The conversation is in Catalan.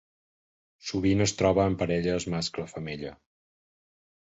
Sovint es troba en parelles mascle-femella.